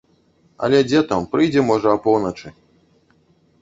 Але дзе там, прыйдзе, можа, апоўначы.